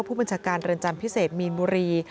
ผู้บัญชาการเรือนจำพิเศษมีนบุรี